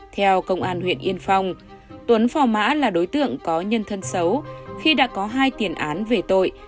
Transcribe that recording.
theo công an huyện yên phong tuấn phò mã là đối tượng có nhân thân xấu khi đã có hai tiền án về tội